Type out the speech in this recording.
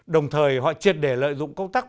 đồng thời họ triệt để lợi dụng công tác